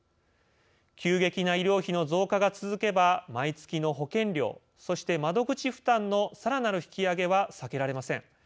急激な医療費の増加が続けば毎月の保険料そして窓口負担のさらなる引き上げは避けられません。